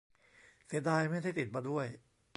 เสียดายไม่ได้ติดมาด้วย